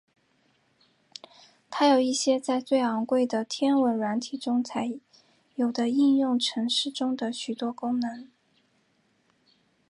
它有一些在最昂贵的天文软体中才有的应用程式中的许多功能。